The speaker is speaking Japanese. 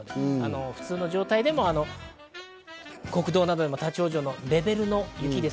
普通の状態でも、国道などでも立ち往生のレベルの雪です。